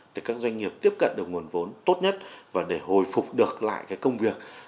để các doanh nghiệp tiếp cận được nguồn vốn tốt nhất và để hồi phục được lại cái công việc